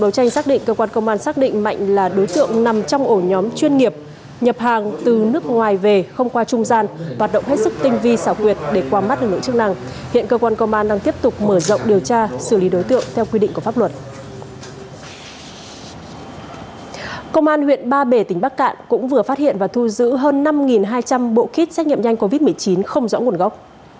cơ quan công an huyện ba bể tỉnh bắc cạn cũng vừa phát hiện và thu giữ hơn năm hai trăm linh bộ kit xét nghiệm nhanh covid một mươi chín không rõ nguồn gốc